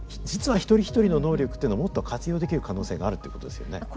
実は一人一人の能力っていうのをもっと活用できる可能性があるってことですよね。